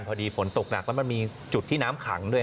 พอดีฝนตกหนักแล้วมันมีจุดที่น้ำขังด้วย